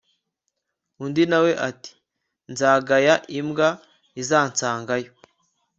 undi nawe ati nzagaya imbwa izansangayo